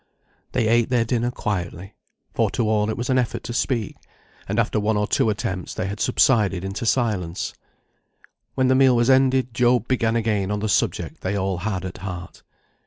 They ate their dinner quietly; for to all it was an effort to speak, and after one or two attempts they had subsided into silence. When the meal was ended Job began again on the subject they all had at heart.